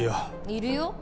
いるよ。